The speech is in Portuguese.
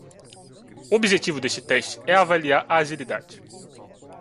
O objetivo deste teste é avaliar a agilidade.